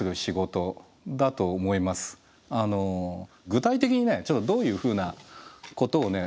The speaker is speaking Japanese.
具体的にねちょっとどういうふうなことをね